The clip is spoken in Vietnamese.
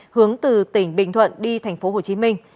hướng từ tỉnh bình thuận đi thành phố hồ chí minh